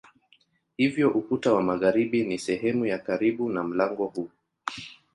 Hivyo ukuta wa magharibi ni sehemu ya karibu na mlango huu.